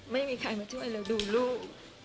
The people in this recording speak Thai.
ไม่มีใครมาช่วยเราดูลูก